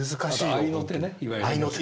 合いの手ねいわゆる。